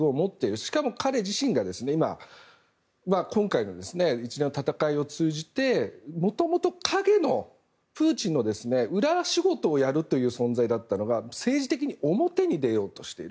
しかも彼自身が、今今回の一連の戦いを通じてもともと陰のプーチンの裏仕事をやるという存在だったのが政治的に表に出ようとしている。